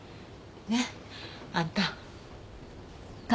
ねえあんた。